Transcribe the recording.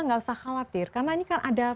nggak usah khawatir karena ini kan ada